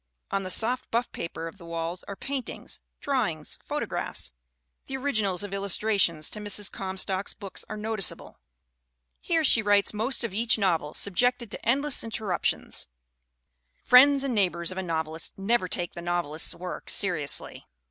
On the soft buff paper of the walls are paintings, drawings, photographs the originals of illustrations to Mrs. Comstock's books are noticeable. Here she writes HARRIET T. COMSTOCK 339 most of each novel, subjected to endless interruptions friends and neighbors of a novelist never take the novelist's work seriously.